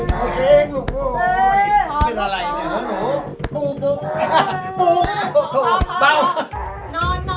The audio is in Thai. พอนอนลูกนอน